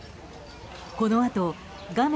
このあと画面